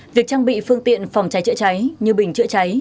việc trang bị phương tiện phòng cháy chữa cháy như bình chữa cháy